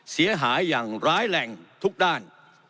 เสียหายอย่างร้ายแรงทุกด้าน